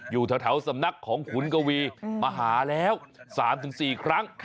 อยู่แถวสำนักของขุนกวีมาหาแล้ว๓๔ครั้ง